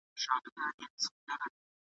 وخت د هر چا لپاره ارزښت لري.